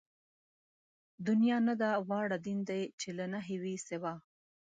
دنيا نه ده واړه دين دئ چې له نَهېِ وي سِوا